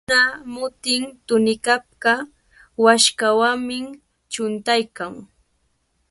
Nunakuna munti tuninanpaq waskawanmi chutaykan.